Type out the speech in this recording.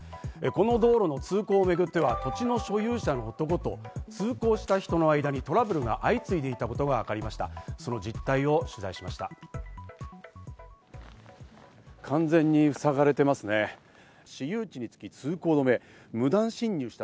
この道路の通行をめぐっては、土地の所有者の男と通行した人の間にトラブルが相次いでいたことがわかりました。